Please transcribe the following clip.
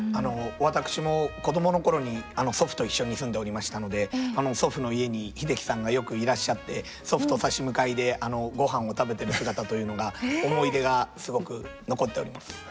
私も子供の頃に祖父と一緒に住んでおりましたので祖父の家に英樹さんがよくいらっしゃって祖父と差し向かいでごはんを食べてる姿というのが思い出がすごく残っております。